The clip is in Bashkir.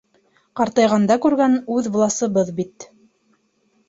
Ҡартайғанда күргән үҙ власыбыҙ бит.